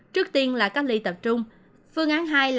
trước tiên là cách ly tập trung